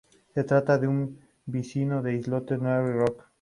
Actualmente es un lugar emblemático del patrimonio de "La Ciudad de las Rosas".